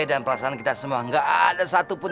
dan perasaan kita semua nggak ada satupun